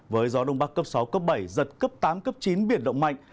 với gió đông bắc cấp sáu cấp bảy giật cấp tám cấp chín biển động mạnh